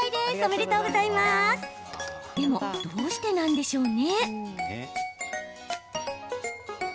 でも、どうしてなんでしょうか？